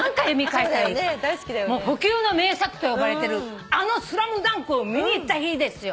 不朽の名作と呼ばれてるあの『ＳＬＡＭＤＵＮＫ』を見に行った日ですよ。